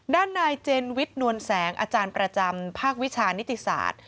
ด้านนายเจนวิทย์นวลแสงอาจารย์ประจำภาควิชานิติศาสตร์